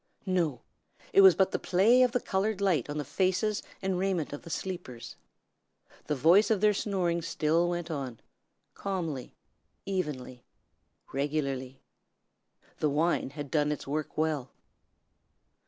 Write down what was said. No! it was but the play of the colored light on the faces and raiment of the sleepers. The voice of their snoring still went up, calmly, evenly, regularly. The wine had done its work well.